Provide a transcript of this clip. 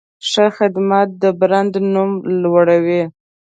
ښه خدمت د برانډ نوم لوړوي.